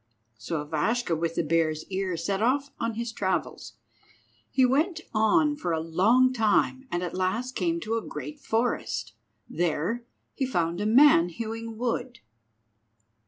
So Ivashka with the Bear's Ear set off on his travels. He went on for a long time, and at last came to a great forest. There he found a man hewing wood.